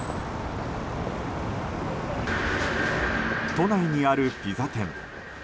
都内にあるピザ店。